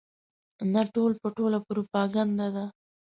نه ټول په ټوله پروپاګنډه ده.